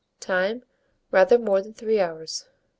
Time. rather more than 3 hours.